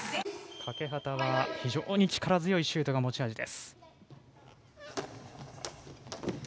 欠端は、非常に力強いシュートが持ち味です。